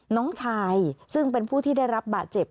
น้องชายซึ่งเป็นผู้ที่ได้รับบาดเจ็บ